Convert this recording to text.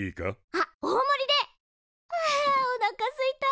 あおなかすいた。